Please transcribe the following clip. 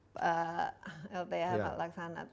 terima kasih banyak